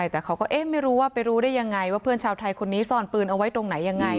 แต่เขาก็เอ๊ะไม่รู้ว่าไปรู้ได้ยังไงว่าเพื่อนชาวไทยคนนี้ซ่อนปืนเอาไว้ตรงไหนยังไง